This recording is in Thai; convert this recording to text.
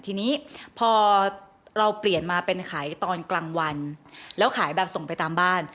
ทีนี้พอเราเปลี่ยนมาเป็นขายตอนกลางวันแล้วขายแบบส่งไปตามบ้าน